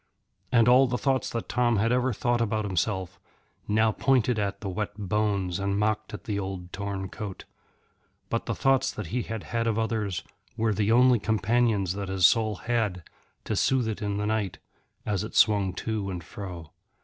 And all the thoughts that Tom had ever thought about himself now pointed at the wet bones and mocked at the old torn coat. But the thoughts that he had had of others were the only companions that his soul had to soothe it in the night as it swung to and fro.